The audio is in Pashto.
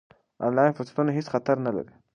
آنلاین فرصتونه هېڅ خطر نه لري.